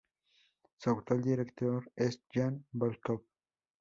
Su actual director es Ilan Volkov.